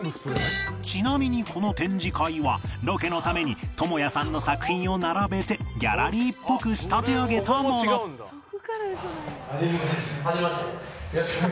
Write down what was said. ちなみにこの展示会はロケのために ＴＯＭＯＹＡ さんの作品を並べてギャラリーっぽく仕立て上げたものはじめまして。